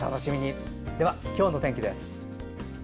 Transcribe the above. では、今日の天気です。